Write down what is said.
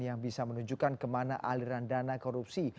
yang bisa menunjukkan kemana aliran dana korupsi